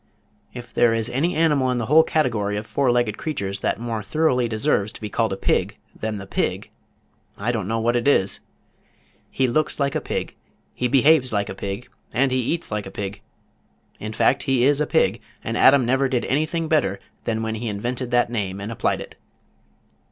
"If there is any animal in the whole category of four legged creatures that more thoroughly deserves to be called a pig than the pig, I don't know what it is. He looks like a pig, he behaves like a pig, and he eats like a pig in fact he is a pig, and Adam never did anything better than when he invented that name and applied it."